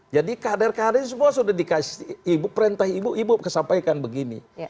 jadi kader kader ini semua sudah dikasih ibu perintah ibu ibu sampaikan begini